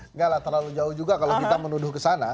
enggak lah terlalu jauh juga kalau kita menuduh ke sana